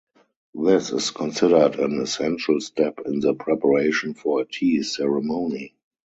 This is considered an essential step in the preparation for a tea ceremony.